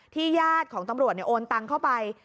ญาติของตำรวจโอนตังเข้าไป